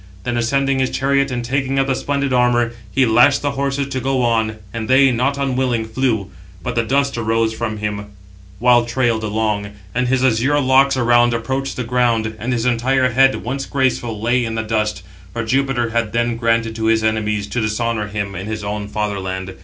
Then ascending his chariot, and taking up the splendid armour, he lashed (the horses) to go on, and they, not unwilling, flew. But the dust arose from him while trailed along, and his azure locks around approached [the ground], 714 and his entire head, once graceful, lay in the dust; for Jupiter had then granted to his enemies, to dishonour him in his own father land.